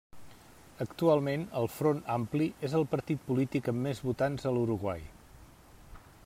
Actualment, el Front Ampli és el partit polític amb més votants a l'Uruguai.